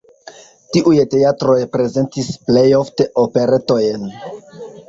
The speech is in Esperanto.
Tiuj teatroj prezentis plej ofte operetojn.